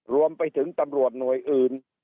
รวมไปถึงตำรวจหน่วยอื่น